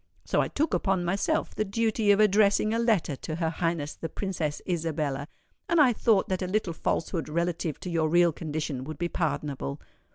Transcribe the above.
So I took upon myself the duty of addressing a letter to her Highness the Princess Isabella, and I thought that a little falsehood relative to your real condition would be pardonable.